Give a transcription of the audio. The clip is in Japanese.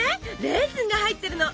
レーズンが入ってるの！